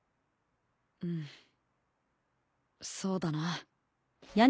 うんそうだな。